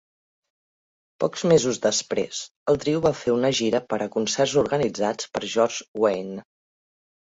Pocs mesos després, el trio va fer una gira per a concerts organitzats per George Wein.